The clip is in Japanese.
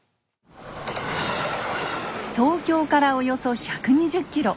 東京からおよそ１２０ｋｍ。